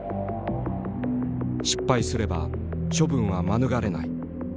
「失敗すれば処分は免れない」。